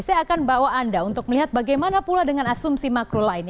saya akan bawa anda untuk melihat bagaimana pula dengan asumsi makro lainnya